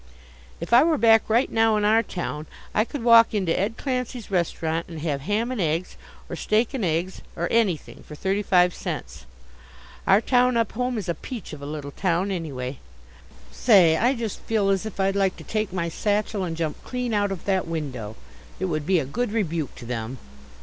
If I were back right now in our town, I could walk into Ed Clancey's restaurant and have ham and eggs, or steak and eggs, or anything, for thirty five cents. Our town up home is a peach of a little town, anyway. Say, I just feel as if I'd like to take my satchel and jump clean out of that window. It would be a good rebuke to them.